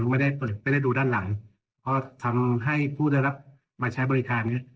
ยังไม่ได้ดูด้านหลังเพราะทำให้ผู้ได้รับมาใช้บริคาร